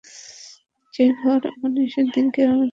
সেই ঘোর অমানিশার দিনে কেউই আমাদের বাঁচাতে পারবে না!